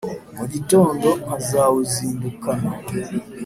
Mu gitondo nkazawuzindukana,